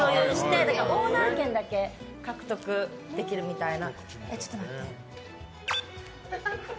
オーナー権だけ獲得できるみたいな。